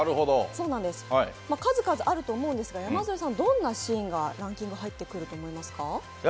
数々あると思うんですが、山添さんどんなシーンがランキングに入ってくると思いますか？